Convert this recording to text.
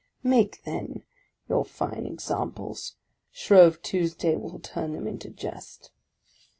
Make, then, your fine examples ! Shrove Tuesday will turn them into jest.